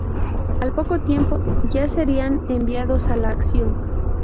Al poco tiempo ya serían enviados a la acción.